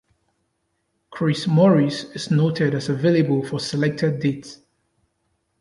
Chris Morris is noted as available for selected dates.